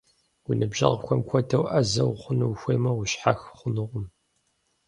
Уи ныбжьэгъухэм хуэдэу Ӏэзэ ухъуну ухуеймэ, ущхьэх хъунукъым.